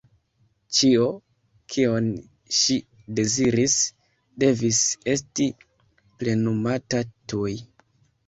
Ĉio, kion ŝi deziris, devis esti plenumata tuj.